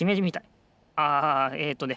あえっとね